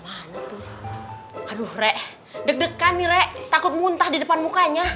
aduh rek deg degan nih rek takut muntah di depan mukanya